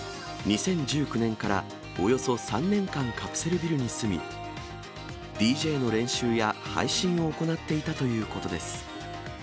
２０１９年からおよそ３年間、カプセルビルに住み、ＤＪの練習や配信を行っていたということです。